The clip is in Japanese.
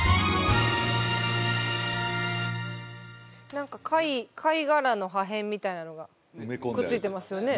何か貝殻の破片みたいなのがくっついてますよね